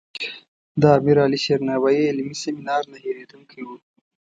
د امیر علي شیر نوایي علمي سیمینار نه هیریدونکی و.